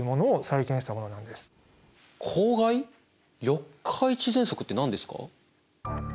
四日市ぜんそくって何ですか？